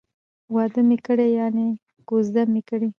واده می کړی ،یعنی کوزده می کړې